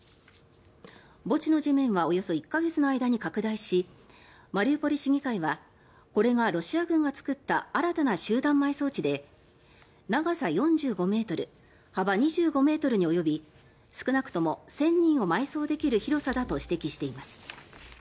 墓地の地面はおよそ１か月の間に拡大しマリウポリ市議会はこれが、ロシア軍が作った新たな集団埋葬地で長さ４５ｍ、幅２５ｍに及び少なくとも１０００人を埋葬できる広さだと指摘しています。